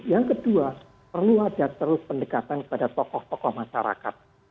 yang kedua perlu ada terus pendekatan kepada tokoh tokoh masyarakat